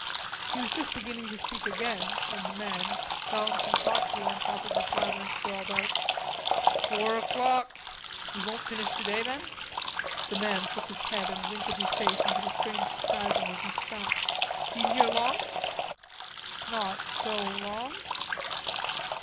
He was just beginning to speak again when the man, balancing thoughtfully on top of his ladder, drawled out: "Four o'clock." "We won't finish today then?" The man shook his head and wrinkled his face into a strange spasm as he spat. "Been here long?" "Not so long."